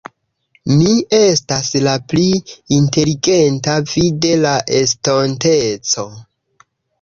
Mi estas la pli inteligenta vi de la estonteco.